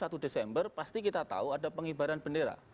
setiap satu desember pasti kita tahu ada penghibaran bendera